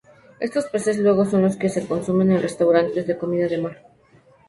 Estos peces luego son los que se consumen en restaurantes de comida de mar.